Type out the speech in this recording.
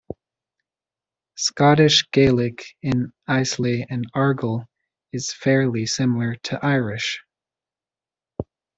Scottish Gaelic in Islay and Argyll is fairly similar to Irish.